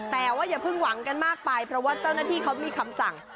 แต่ว่าอย่าเพิ่งหวังกันมากไปเพราะว่าเจ้าหน้าที่เขามีคำสั่ง